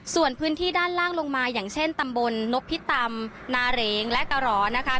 ส่วนพื้นที่ด้านล่างลงมาอย่างเช่นตำบลนพิตำนาเหรงและกะหรอนะคะ